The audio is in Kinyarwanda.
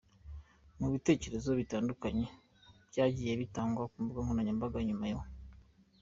Mu bitekerezo bitandukanye byagiye bitangwa ku mbuga nkoranyambaga nyuma yo .